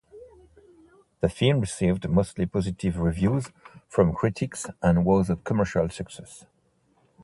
The film received mostly positive reviews from critics and was a commercial success.